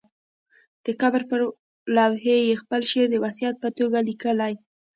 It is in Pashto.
د قبر پر لوحې یې خپل شعر د وصیت په توګه لیکلی.